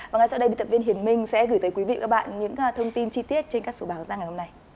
và ngay sau đây bị tập viên hiền minh sẽ gửi tới quý vị các bạn những thông tin chi tiết trên các sổ báo ra ngày hôm nay